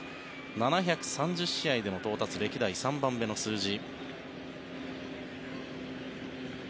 ７３０試合での到達歴代３番目の数字。